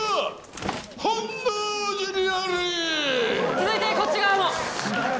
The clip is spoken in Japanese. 続いてこっち側も！